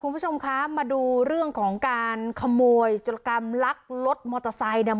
คุณผู้ชมคะมาดูเรื่องของการขโมยจรกรรมลักรถมอเตอร์ไซค์เนี่ย